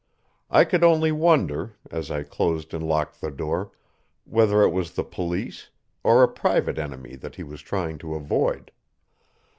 I could only wonder, as I closed and locked the door, whether it was the police or a private enemy that he was trying to avoid.